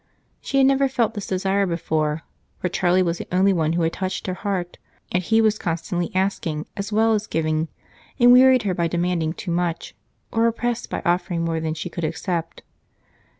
She had never felt this desire before, for Charlie was the only one who had touched her heart, and he was constantly asking as well as giving, and wearied her by demanding too much or oppressed her by offering more than she could accept.